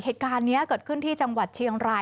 เหตุการณ์นี้เกิดขึ้นที่จังหวัดเชียงราย